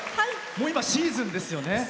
今、シーズンですよね。